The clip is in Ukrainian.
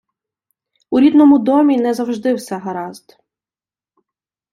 У рідному домі не завжди все гаразд.